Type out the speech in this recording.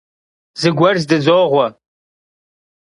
Zıguer zdızoğue.